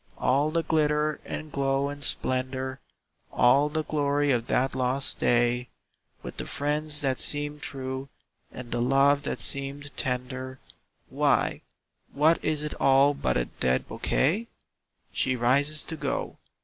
All the glitter and glow and splendor, All the glory of that lost day, With the friends that seemed true, and the love that seemed tender, Why, what is it all but a dead bouquet? She rises to go.